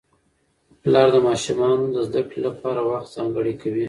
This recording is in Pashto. پلار د ماشومانو لپاره د زده کړې لپاره وخت ځانګړی کوي